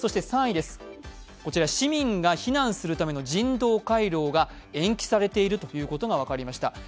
３位です、市民が避難するための人道回廊が延期されていることが分かりました。